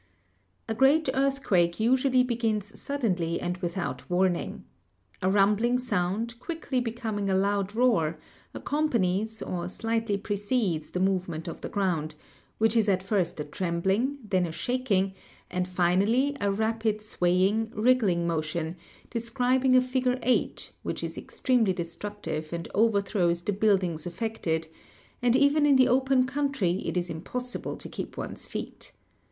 A great earthquake usually begins suddenly and without warning. A rumbling sound, quickly becoming a loud roar, accompanies or slightly precedes the movement of the ground, which is at first a trembling, then a shaking, and finally a rapid swaying, wriggling motion, describing a figure 8, which is extremely destructive and overthrows the buildings affected, and even in the open country it is im possible to keep one's feet.